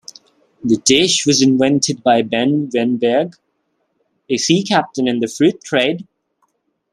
The dish was invented by Ben Wenberg, a sea captain in the fruit trade.